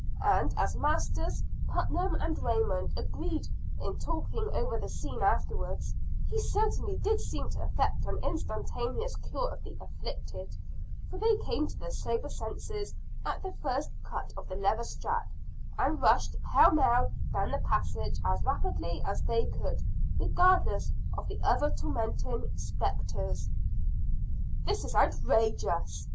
And, as Masters Putnam and Raymond agreed in talking over the scene afterwards, he certainly did seem to effect an instantaneous cure of the "afflicted," for they came to their sober senses at the first cut of the leather strap, and rushed pell mell down the passage as rapidly as they could regardless of the other tormenting "spectres." "This is outrageous!"